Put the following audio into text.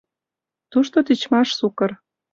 Тушто тичмаш сукыр.